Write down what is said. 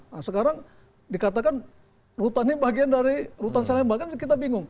nah sekarang dikatakan rutan ini bagian dari rutan salemba